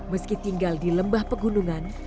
meski tinggal di lembah pegunungan